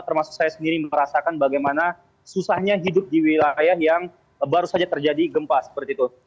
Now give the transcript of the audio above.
termasuk saya sendiri merasakan bagaimana susahnya hidup di wilayah yang baru saja terjadi gempa seperti itu